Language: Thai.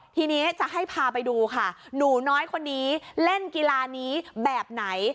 ทีนี้จะให้พาไปดูค่ะหนูน้อยคนนี้เล่นกีฬานี้แบบไหน